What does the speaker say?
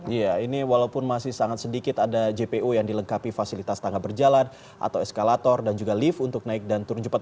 iya ini walaupun masih sangat sedikit ada jpo yang dilengkapi fasilitas tangga berjalan atau eskalator dan juga lift untuk naik dan turun cepat